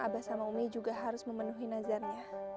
abah sama umi juga harus memenuhi nazarnya